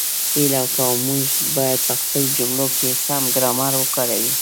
هیله کووم، موږ باید په خپلو جملو کې سم ګرامر وکاروو